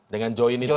dengan join itu ya